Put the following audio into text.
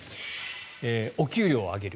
お給料を上げる。